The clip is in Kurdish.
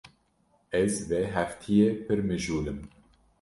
Ez vê hefteyê pir mijûl im.